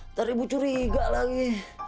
ntar ibu curiga lagi